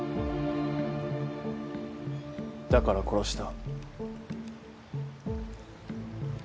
だから殺した。